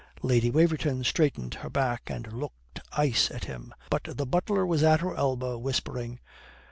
Lady Waverton straightened her back and looked ice at him. But the butler was at her elbow, whispering.